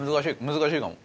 難しいかも。